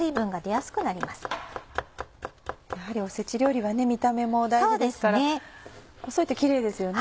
やはりおせち料理は見た目も大事ですから細いとキレイですよね。